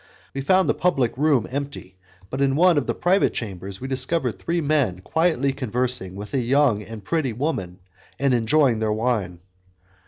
We found the public room empty, but in one of the private chambers we discovered three men quietly conversing with a young and pretty woman, and enjoying their wine.